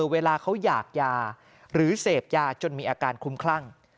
เวลาเขาอยากยาหรือเสพยาจนมีอาการคุ้มคลั่ง